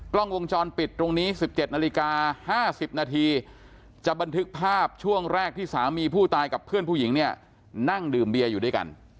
กล้องวงจรปิดตรงนี้๑๗นาฬิกา๕๐นาทีจะบันทึกภาพช่วงแรกที่สามีผู้ตายกับเพื่อนผู้หญิงเนี่ยนั่งดื่มเบียร์อยู่ด้วยกัน